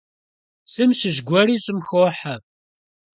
Псым щыщ гуэри щӀым хохьэ.